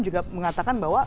juga mengatakan bahwa